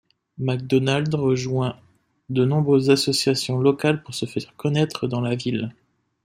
Macdonald rejoignit de nombreuses associations locales pour se faire connaitre dans la ville.